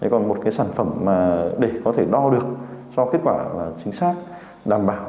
còn một cái sản phẩm để có thể đo được cho kết quả chính xác đảm bảo